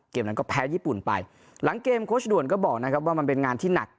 นั้นก็แพ้ญี่ปุ่นไปหลังเกมโค้ชด่วนก็บอกนะครับว่ามันเป็นงานที่หนัก